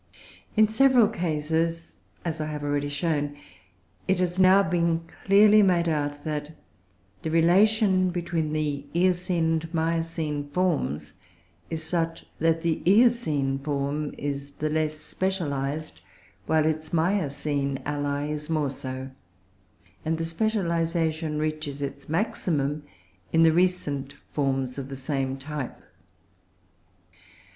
In several cases, as I have already shown, it has now been clearly made out that the relation between the Eocene and Miocene forms is such that the Eocene form is the less specialised; while its Miocene ally is more so, and the specialisation reaches its maximum in the recent forms of the same type.